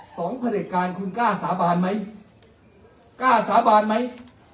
พระเด็จการคุณกล้าสาบานไหมกล้าสาบานไหม